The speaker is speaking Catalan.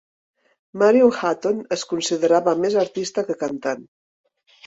Marion Hutton es considerava més artista que cantant.